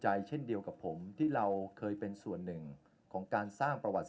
เช่นเดียวกับผมที่เราเคยเป็นส่วนหนึ่งของการสร้างประวัติ